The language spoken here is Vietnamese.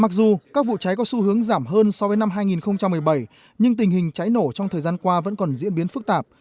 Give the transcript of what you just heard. mặc dù các vụ cháy có xu hướng giảm hơn so với năm hai nghìn một mươi bảy nhưng tình hình cháy nổ trong thời gian qua vẫn còn diễn biến phức tạp